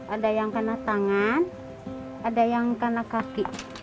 ada yang kena tangan ada yang kena kaki